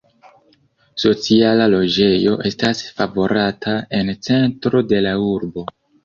Sociala loĝejo estas favorata en centro de la urbo.